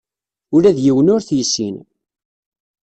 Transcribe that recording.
Ula d yiwen ur t-yessin.